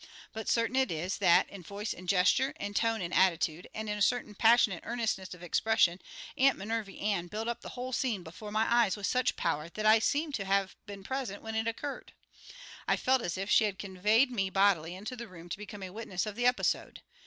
But certain it is that, in voice and gesture, in tone and attitude, and in a certain passionate earnestness of expression, Aunt Minervy Ann built up the whole scene before my eyes with such power that I seemed to have been present when it occurred. I felt as if she had conveyed me bodily into the room to become a witness of the episode.